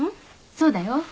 そうだよ。